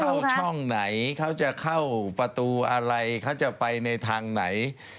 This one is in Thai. เข้าช่องไหนเขาจะเข้าประตูอะไรเขาจะไปในทางไหน